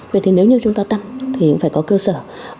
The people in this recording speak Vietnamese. vậy thì nếu như chúng ta tăng thì cũng phải có cơ sở